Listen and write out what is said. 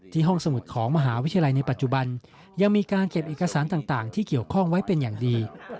ห้องสมุดของมหาวิทยาลัยในปัจจุบันยังมีการเก็บเอกสารต่างที่เกี่ยวข้องไว้เป็นอย่างดี